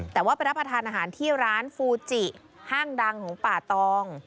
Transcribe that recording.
แต่ว่าไปรับประทานอาหารที่ร้านฟูจิห้างดังของป่าตอง